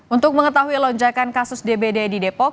untuk mengetahui lonjakan kasus dbd di depok